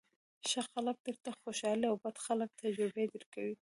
ښه خلک درته خوشالۍ او بد خلک تجربې درکوي.